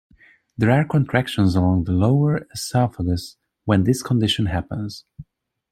There are contractions along the lower esophagus when this condition happens.